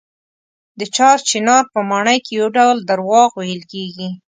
د چار چنار په ماڼۍ کې یو ډول درواغ ویل کېږي.